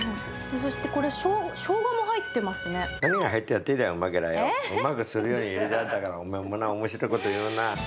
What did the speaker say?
そしてこれ、ショウガも入っ何が入ってたっていいだべよ、うまくするように入れてあるだから、お前、おもしろいこと言うな。